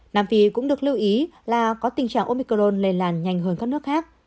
nam phi cũng được lưu ý là có tình trạng omicron lây lan nhanh hơn các nước khác